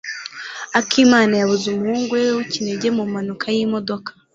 Akimana yabuze umuhungu we w'ikinege mu mpanuka y'imodoka.